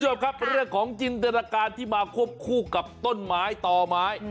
คุณผู้ชมครับเรื่องของจินตนาการที่มาควบคู่กับต้นไม้ต่อไม้